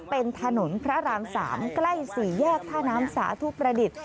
เป็นถนนพระราม๓ใกล้๔แยกท่าน้ำสาธุประดิษฐ์